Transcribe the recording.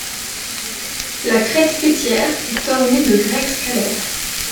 La crête faîtière est ornée de grecques scalaires.